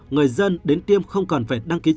người dân đến tiêm không cần phải đăng ký